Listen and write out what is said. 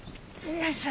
よいしょ。